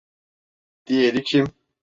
Diğeri kim?